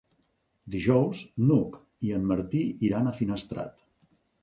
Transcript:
Dijous n'Hug i en Martí iran a Finestrat.